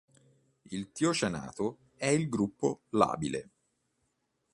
Il tiocianato è il gruppo labile.